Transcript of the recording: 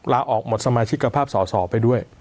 ลาออกหมดสมาชิกภาพสอสอไปด้วย